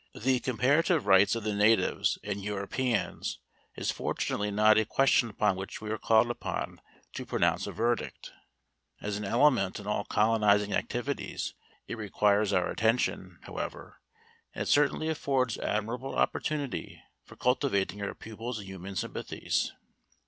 The comparative rights of the natives and Europeans is fortunately not a question upon which we are called upon to pronounce a verdict. As an element in all colonizing activities it requires our attention, however, and it certainly affords admirable opportunity for cultivating our pupils' human sympathies.